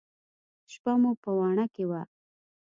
شپه مو په واڼه کښې وه.